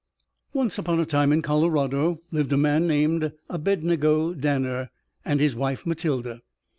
] I Once upon a time in Colorado lived a man named Abednego Danner and his wife, Matilda.